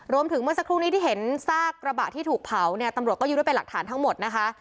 เมื่อสักครู่นี้ที่เห็นซากกระบะที่ถูกเผาเนี่ยตำรวจก็ยึดไว้เป็นหลักฐานทั้งหมดนะคะ